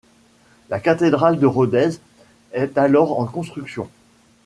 La cathédrale de Rodez est alors en construction.